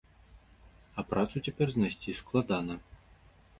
А працу цяпер знайсці складана.